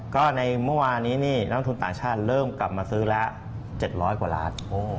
ก็ในเมื่อวานี้นี่นักทุนต่างชาติเริ่มกลับมาซื้อละ๗๐๐กว่าล้าน